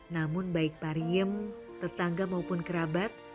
namun baik pariem tetangga maupun kerabat